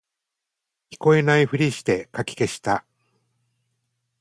聞こえないふりしてかき消した